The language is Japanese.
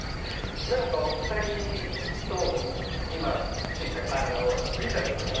何か２人とインタビューをね